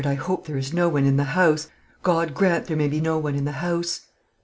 I hope there is no one in the house. God grant there may be no one in the house!"